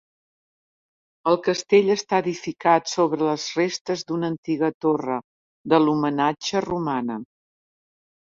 El castell està edificat sobre les restes d'una antiga torre de l'homenatge romana.